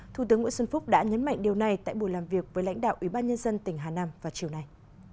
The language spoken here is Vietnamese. thủ tướng nguyễn xuân phúc đã nhấn mạnh điều này tại buổi làm việc với lãnh đạo ủy ban nhân dân tỉnh hà nam vào chiều nay